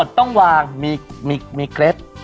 ต้องวางมีเกร็ด